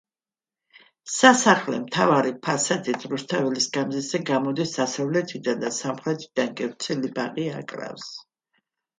სასახლე მთავარი ფასადით რუსთაველის გამზირზე გამოდის, დასავლეთიდან და სამხრეთიდან კი ვრცელი ბაღი აკრავს.